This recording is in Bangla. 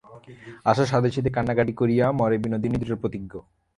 আশা সাধাসাধি কান্নাকাটি করিয়া মরে–বিনোদিনী দৃঢ়প্রতিজ্ঞ।